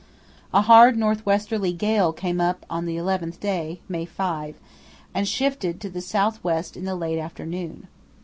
A hard north westerly gale came up on the eleventh day (May 5) and shifted to the south west in the late afternoon.